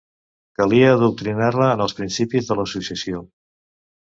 Calia adoctrinar-la en els principis de l'associació.